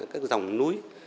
các dòng núi